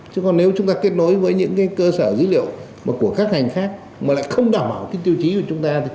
chứ còn nếu chúng ta kết nối với những cơ sở dữ liệu của các ngành khác mà lại không đảm bảo tiêu chí của chúng ta